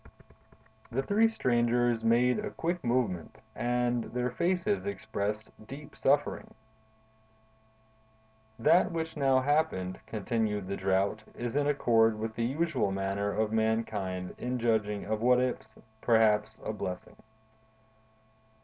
The three strangers made a quick movement, and their faces expressed deep suffering. "That which now happened," continued the Drought, "is in accord with the usual manner of mankind in judging of what is, perhaps, a blessing.